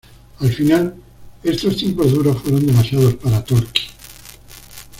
Al final estos tiempos duros fueron demasiado para Tolkki.